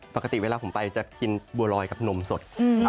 ปกติเวลาผมไปจะกินบัวลอยกับนมสด